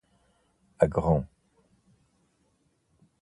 Agron.